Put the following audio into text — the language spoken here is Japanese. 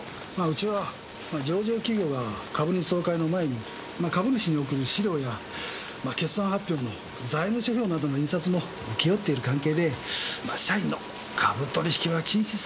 うちは上場企業が株主総会の前に株主に送る資料や決算発表に財務諸表などの印刷も請け負っている関係で社員の株取引は禁止されているんです。